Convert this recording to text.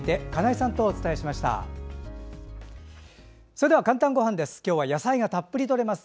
それでは「かんたんごはん」です。